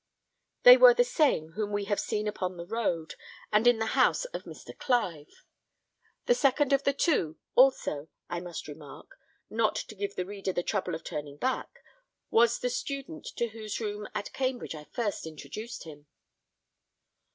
They were the same whom we have seen upon the road, and in the house of Mr. Clive. The second of the two, also, I must remark, not to give the reader the trouble of turning back, was the student to whose room at Cambridge I first introduced him.